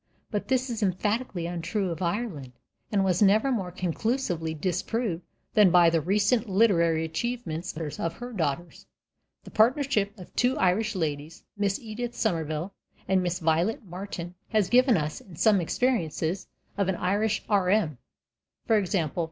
But this is emphatically untrue of Ireland, and was never more conclusively disproved than by the recent literary achievements of her daughters. The partnership of two Irish ladies, Miss Edith Somerville and Miss Violet Martin, has given us, in Some Experiences of an Irish R.M. (_i.e.